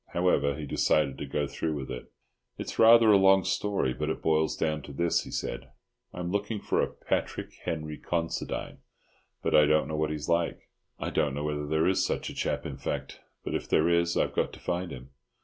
However, he decided to go through with it. "It's rather a long story, but it boils down to this," he said. "I'm looking for a Patrick Henry Considine, but I don't know what he's like. I don't know whether there is such a chap, in fact, but if there is, I've got to find him.